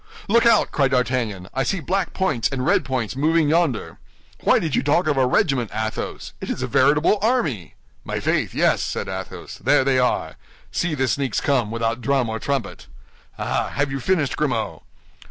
"Look out!" cried D'Artagnan, "I see black points and red points moving yonder. Why did you talk of a regiment, Athos? It is a veritable army!" "My faith, yes," said Athos; "there they are. See the sneaks come, without drum or trumpet. Ah, ah! have you finished, Grimaud?"